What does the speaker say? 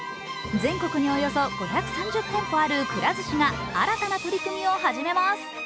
全国におよそ５３０店舗あるくら寿司が新たな取り組みを始めます。